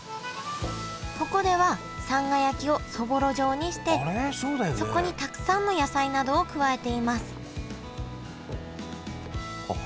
ここではさんが焼きをそぼろ状にしてそこにたくさんの野菜などを加えていますあっ